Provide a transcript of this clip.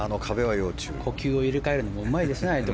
呼吸を入れ替えるのもうまいですね。